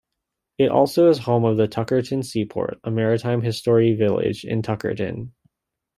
It also is home of the Tuckerton Seaport, a maritime history village in Tuckerton.